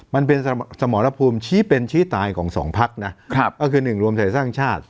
มันเป็นสมรภูมิชี้เป็นชี้ตายของสองพักนะก็คือหนึ่งรวมไทยสร้างชาติ